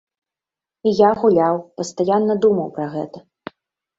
І я гуляў, пастаянна думаў пра гэта.